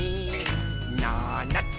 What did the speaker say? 「ななつ